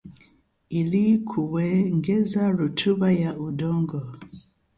ili kuongeza rutuba ya udongo.